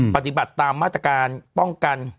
ปฏิบัติตามมาตรการป้องกัน